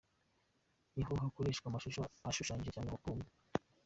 Niho hakoreshwa amashusho ashushanyije cyangwa abumbye.